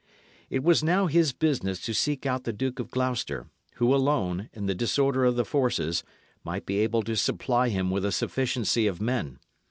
It was now his business to seek out the Duke of Gloucester, who alone, in the disorder of the forces, might be able to supply him with a sufficiency of men.